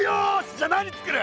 じゃあ何つくる？